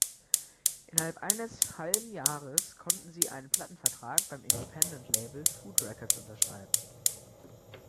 Innerhalb eines halben Jahres konnten sie einen Plattenvertrag beim Independent-Label Food Records unterschreiben.